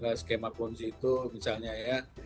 lalu kemudian cara kerja skema ponzi itu misalnya ya